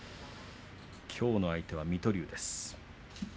きょうの相手、水戸龍です。